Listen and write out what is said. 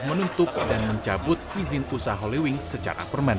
menuntut dan mencabut izin usaha holy wings secara permanen